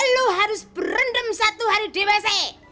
lu harus berendam satu hari di wc